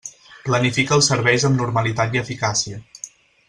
Planifica els serveis amb normalitat i eficàcia.